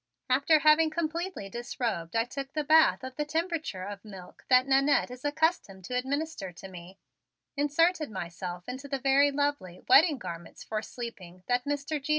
After having completely disrobed I took the bath of the temperature of milk that Nannette is accustomed to administer to me, inserted myself in the very lovely 'wedding' garments for sleeping that Mr. G.